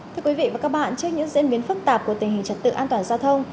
thưa quý vị và các bạn trước những diễn biến phức tạp của tình hình trật tự an toàn giao thông